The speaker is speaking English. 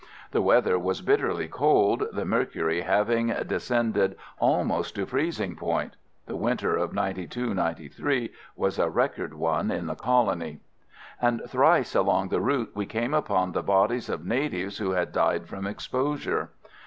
The weather was bitterly cold, the mercury having descended almost to freezing point (the winter of '92 '93 was a record one in the colony), and thrice along the route we came upon the bodies of natives who had died from exposure.